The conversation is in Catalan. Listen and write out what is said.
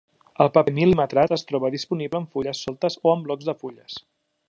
El paper mil·limetrat es troba disponible en fulles soltes o en blocs de fulles.